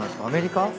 アメリカ？